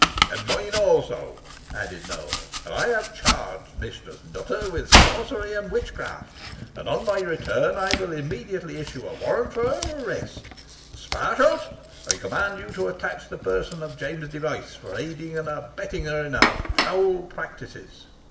"And mine, also," added Nowell; "and I here charge Mistress Nutter with sorcery and witchcraft, and on my return I will immediately issue a warrant for her arrest. Sparshot, I command you to attach the person of James Device, for aiding and abetting her in her foul practices."